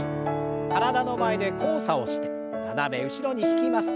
体の前で交差をして斜め後ろに引きます。